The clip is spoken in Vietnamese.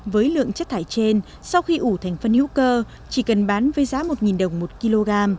với lượng chất thải trên sau khi ủ thành phân hữu cơ chỉ cần bán với giá một đồng một kg